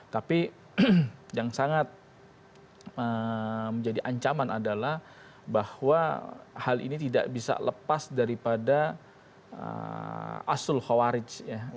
tapi yang sangat menjadi ancaman adalah bahwa hal ini tidak bisa lepas daripada asul khawarij